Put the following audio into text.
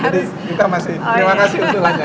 jadi kita masih mengingatkan ulangnya